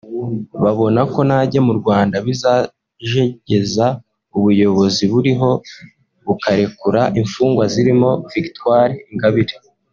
babona ko najya mu Rwanda bizajegeza ubuyobozi buriho bukarekura imfungwa zirimo Victoire Ingabire